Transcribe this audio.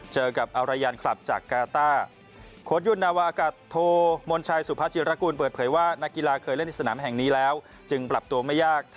เจอกับอารยันคลับจากกาต้า